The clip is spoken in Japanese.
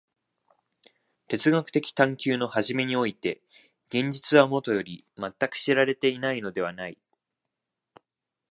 哲学的探求の初めにおいて現実はもとより全く知られていないのではない。